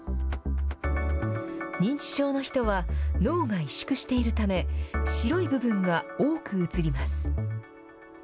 認知症の人は、脳が萎縮しているため、白い部分が多く写ります。